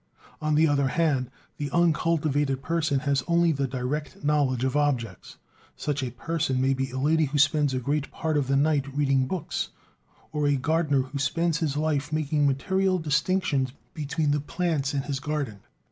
On the other hand, the uncultivated person has only the direct knowledge of objects; such a person may be a lady who spends a great part of the night reading books, or a gardener who spends his life making material distinctions between the plants in his garden.